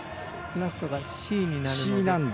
ラストがＣになるので。